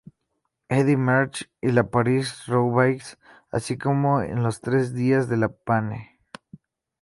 Eddy Merckx y la París-Roubaix, así como en los Tres días de La Panne.